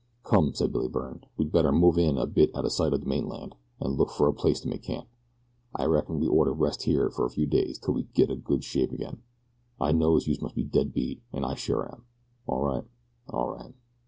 "Come," said Billy Byrne, "we'd better move in a bit out o' sight o' de mainland, an' look fer a place to make camp. I reckon we'd orter rest here for a few days till we git in shape ag'in. I know youse must be dead beat, an' I sure am, all right, all right."